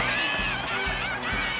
やった！